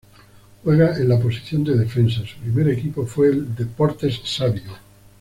Juega en la posición de defensa, su primer equipo fue el Deportes Savio.